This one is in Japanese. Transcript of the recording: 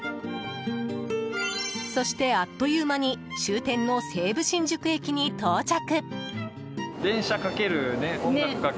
そして、あっという間に終点の西武新宿駅に到着。